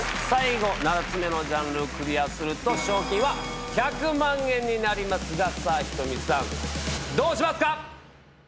最後７つ目のジャンルをクリアすると賞金は１００万円になりますがさぁｈｉｔｏｍｉさんどうしますか？